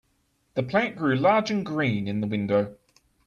The plant grew large and green in the window.